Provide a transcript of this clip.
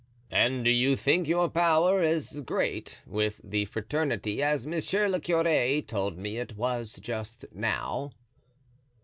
"And do you think your power as great with the fraternity as monsieur le curé told me it was just now?"